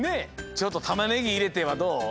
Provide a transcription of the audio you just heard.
ちょっとタマネギいれてはどう？